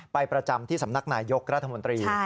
ประจำที่สำนักนายยกรัฐมนตรี